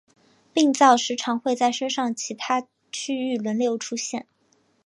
病灶时常会在身上其他区域轮流出现。